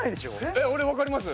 えっ俺わかります。